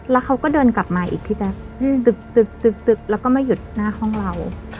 แล้วเขาก็เดินกลับมาอีกพี่แจ๊คตึกแล้วก็ไม่หยุดหน้าห้องเรา